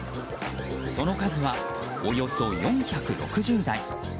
その数はおよそ４６０台。